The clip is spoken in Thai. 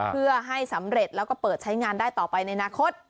เพื่อให้สำเร็จแล้วก็เปิดใช้งานได้ต่อไปในอนาคต